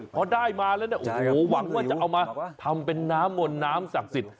พอได้มาแล้วเนี่ยโอ้โหหวังว่าจะเอามาทำเป็นน้ำมนต์น้ำศักดิ์สิทธิ